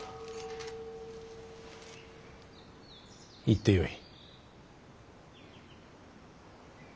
行ってよい。